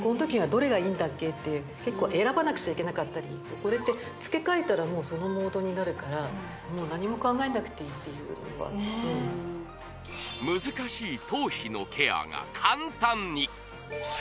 どれがいいんだっけって結構選ばなくちゃいけなかったりこれって付け替えたらもうそのモードになるからもう何も考えなくていいっていうのがうん難しい頭皮のケアが簡単に！